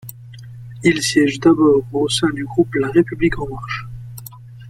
Il siège d’abord au sein du groupe La République en marche.